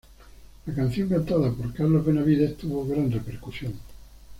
La canción, cantada por Carlos Benavides, tuvo gran repercusión.